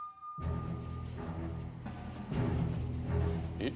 「えっ？」